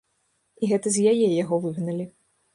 І гэта з яе яго выгналі.